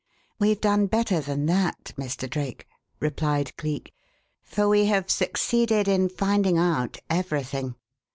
"We've done better than that, Mr. Drake," replied Cleek, "for we have succeeded in finding out everything.